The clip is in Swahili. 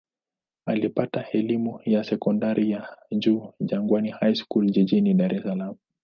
Alipata elimu ya sekondari ya juu Jangwani High School jijini Dar es Salaam.